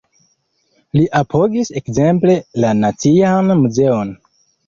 Li apogis ekzemple la Nacian Muzeon.